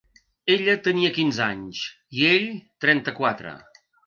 Ella tenia quinze anys i ell trenta-quatre.